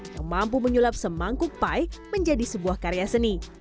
yang mampu menyulap semangkuk pie menjadi sebuah karya seni